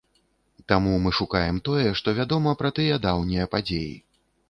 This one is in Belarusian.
Таму мы шукаем тое, што вядома пра тыя даўнія падзеі.